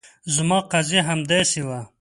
زما قضیه هم همداسې وه.